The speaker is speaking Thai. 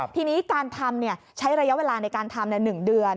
ทีนี้การทำใช้ระยะเวลาในการทำ๑เดือน